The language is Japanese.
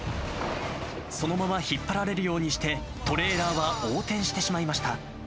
そのまま引っ張られるようにして、トレーラーは横転してしまいました。